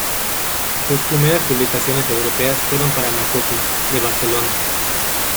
Sus primeras publicaciones europeas fueron para "Makoki", de Barcelona.